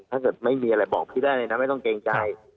ถ้าเกิดไม่มีอะไรบอกพี่ได้เลยนะไม่ต้องเกรงใจ